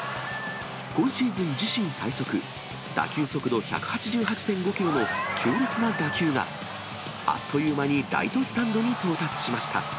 今シーズン自身最速、打球速度１８８．５キロの強烈な打球が、あっという間にライトスタンドに到達しました。